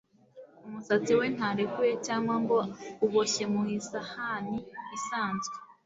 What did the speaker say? Umusatsi we ntarekuye cyangwa ngo uboshye mu isahani isanzwe